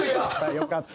よかった。